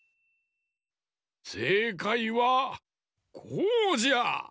せいかいはこうじゃ！